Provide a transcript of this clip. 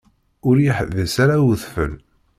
Ur yeḥbis ara udfel.